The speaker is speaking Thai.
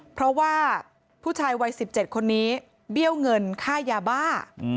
เพราะว่าผู้ชายวัย๑๗คนนี้เบี้ยวเงินค่ายาบ้า